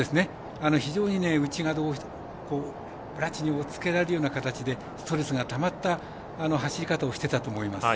非常に内側でラチにつけられるような形でストレスがたまった走り方をしてたと思います。